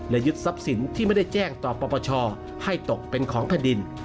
และยึดทรัพย์สินที่ไม่ได้แจ้งต่อปปชให้ตกเป็นของแผ่นดิน